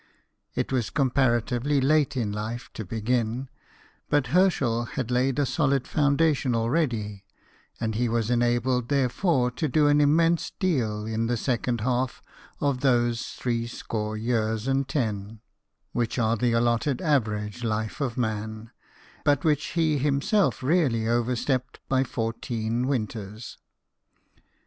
It was comparatively late in life to begin, but Herschel had laid a solid founda tion already, and he was enabled therefore to do an immense deal in the second half of those threescore years and ten which are the allotted average life of man, but which he himself really overstepped by fourteen winters.